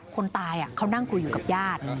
คนตายเขานั่งคุยอยู่กับญาติ